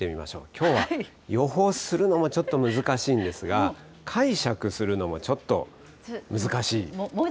きょうは予報するのもちょっと難しいんですが、解釈するのもちょっと難しい。